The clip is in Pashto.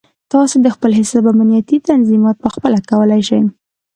تاسو د خپل حساب امنیتي تنظیمات پخپله کولی شئ.